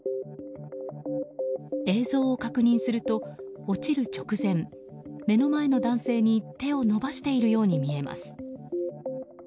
映像を確認すると、落ちる直前目の前の男性に手を伸ばしているように見えます。